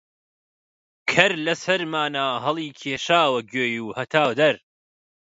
کەر لە سەرمانا هەڵیکێشاوە گوێی و هاتە دەر